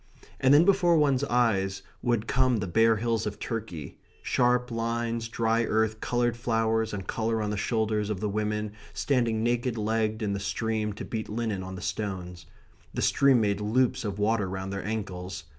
And then before one's eyes would come the bare hills of Turkey sharp lines, dry earth, coloured flowers, and colour on the shoulders of the women, standing naked legged in the stream to beat linen on the stones. The stream made loops of water round their ankles.